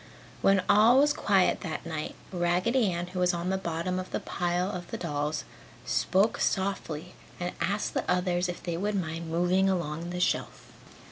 When all was quiet that night, Raggedy Ann who was on the bottom of the pile of dolls spoke softly and asked the others if they would mind moving along the shelf.